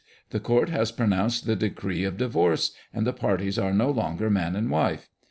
The court has pronounced the decree of divorce, and the parties are no longer man and wife.